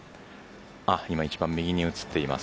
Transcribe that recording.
今一番右に映っています。